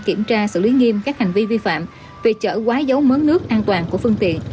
kiểm tra xử lý nghiêm các hành vi vi phạm việc chở quái dấu mớ nước an toàn của phương tiện